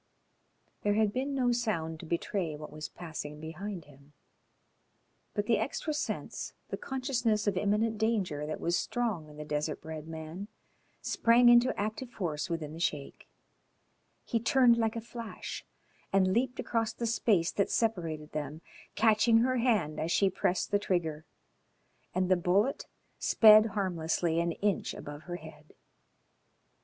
There had been no sound to betray what was passing behind him, but the extra sense, the consciousness of imminent danger that was strong in the desert bred man, sprang into active force within the Sheik. He turned like a flash and leaped across the space that separated them, catching her hand as she pressed the trigger, and the bullet sped harmlessly an inch above her head.